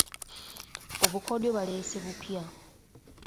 Obukodyo baleese bupya.